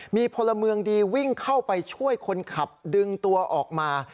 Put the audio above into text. มีพลเมืองดีวิ่งเข้าไปช่วยคนขับดึงตัวออกมา